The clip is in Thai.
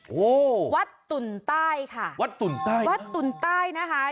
โอ้โหวัดตุ่นใต้ค่ะวัดตุ่นใต้วัดตุ่นใต้นะคะ